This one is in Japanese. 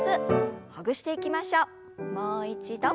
もう一度。